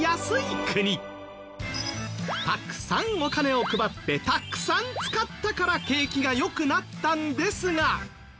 たくさんお金を配ってたくさん使ったから景気が良くなったんですが。